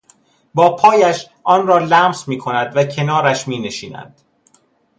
با پایش آن را لمس میکند و کنارش مینشیند